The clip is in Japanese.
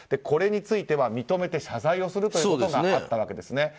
これについては認めて謝罪をすることがあったわけです。